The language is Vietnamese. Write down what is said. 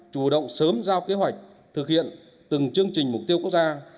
chủ động sớm giao kế hoạch thực hiện từng chương trình mục tiêu quốc gia